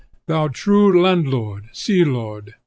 Thou true land lord! sea lord!